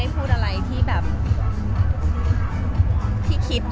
แม็กซ์ก็คือหนักที่สุดในชีวิตเลยจริง